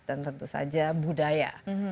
dan tentu saja budaya